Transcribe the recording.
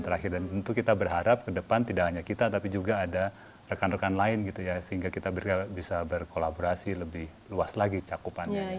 terakhir dan tentu kita berharap ke depan tidak hanya kita tapi juga ada rekan rekan lain gitu ya sehingga kita bisa berkolaborasi lebih luas lagi cakupannya